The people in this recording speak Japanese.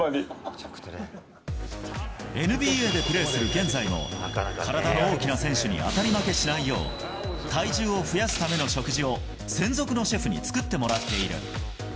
ＮＢＡでプレーする現在も、体の大きな選手に当たり負けしないよう、体重を増やすための食事を専属のシェフに作ってもらっている。